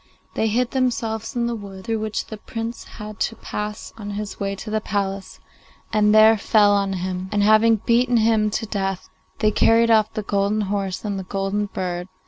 They hid themselves in the wood through which the Prince had to pass on his way to the palace, and there fell on him, and, having beaten him to death, they carried off the golden horse and the golden bird.